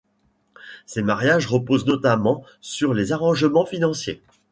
Ces mariages reposent notamment sur des arrangements financiers.